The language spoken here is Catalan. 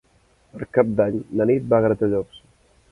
Per Cap d'Any na Nit va a Gratallops.